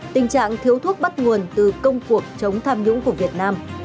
tình trạng thiếu thuốc bắt nguồn từ công cuộc chống tham nhũng của việt nam